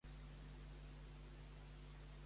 De quina forma va xisclar?